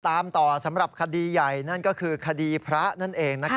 ตามต่อสำหรับคดีใหญ่นั่นก็คือคดีพระนั่นเอง